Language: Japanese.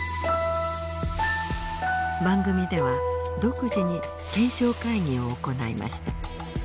番組では独自に検証会議を行いました。